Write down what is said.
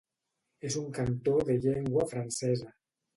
És un cantó de llengua francesa.